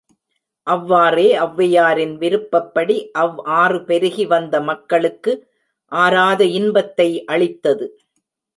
அவ்வாறே ஒளவையாரின் விருப்பப்படி, அவ் ஆறு பெருகி வந்த மக்களுக்கு ஆராத இன்பத்தை அளித்தது.